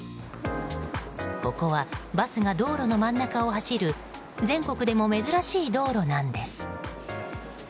ここはバスが道路の真ん中を走る全国でも珍しい道路なんです。